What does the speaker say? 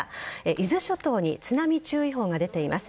伊豆諸島に津波注意報が出ています。